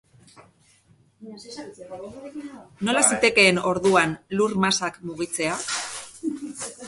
Nola zitekeen, orduan, lur-masak mugitzea?